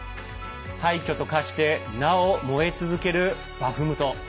廃虚と化してなお燃え続けるバフムト。